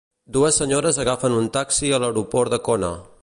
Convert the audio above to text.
Dues senyores agafen un taxi a l'aeroport de Kona.